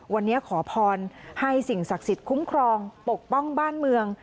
วันนี้ขอพรให้สิ่งศักดิ์สิทธิ์คุ้มครองปกป้องบ้านเมือง